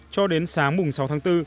cho đến sáng mùng sáu tháng bốn